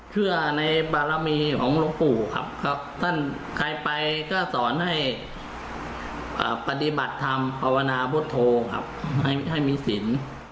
เพื่อในบารมีของหลวงปู่ครับครับท่านใครไปก็สอนให้ปฏิบัติธรรมภาวนาพุทธโธครับให้มีสิน